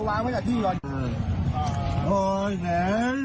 แป๊บให้มาอยู่เฉยจ้ะนี่แม่ขำ